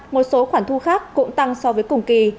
một số khoản thu khác cũng tăng so với cùng kỳ